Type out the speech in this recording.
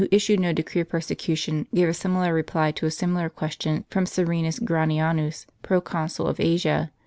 issued no decree of persecution, gave a similar reply to a similar question from Serenius Granianus, pro consul of Asia.